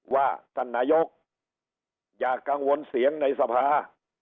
ว่าสัญญกอย่ากังวลเสียงในสภา